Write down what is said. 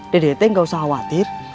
dede teh gak usah khawatir